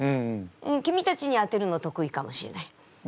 君たちに当てるの得意かもしれない。